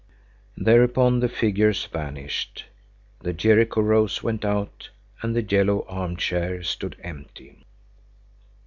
Thereupon the figures vanished. The Jericho rose went out, and the yellow arm chair stood empty.